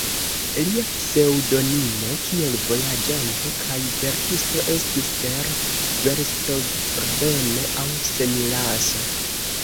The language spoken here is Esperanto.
Lia pseŭdonimo kiel vojaĝanto kaj verkisto estis "Der Verstorbene" aŭ "Semilasso".